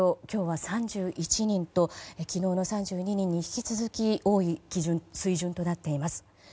今日は３１人と昨日の３２人に引き続き多い水準となっています。